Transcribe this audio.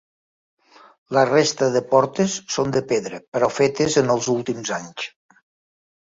La resta de portes són de pedra però fetes en els últims anys.